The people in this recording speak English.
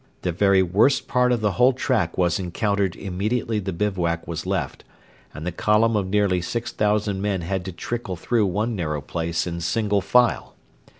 The very worst part of the whole track was encountered immediately the bivouac was left, and the column of nearly six thousand men had to trickle through one narrow place in single file.